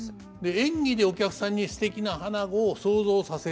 演技でお客さんにすてきな花子を想像させる。